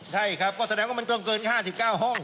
ใช่ครับก็แสดงว่ามันต้องเกิน๕๙ห้อง